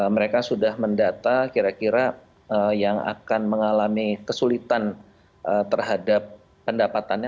mereka sudah mendata kira kira yang akan mengalami kesulitan terhadap pendapatannya